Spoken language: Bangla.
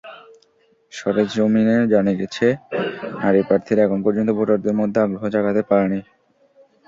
সরেজমিনে জানা গেছে, নারী প্রার্থীরা এখন পর্যন্ত ভোটারদের মধ্যে আগ্রহ জাগাতে পারেনি।